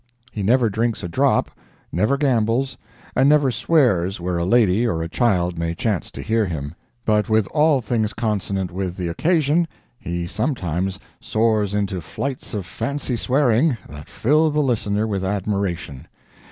He never drinks a drop, never gambles, and never swears where a lady or a child may chance to hear him—but with all things consonant with the occasion he sometimes soars into flights of fancy swearing that fill the listener with admiration.